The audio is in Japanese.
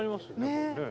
これねえ。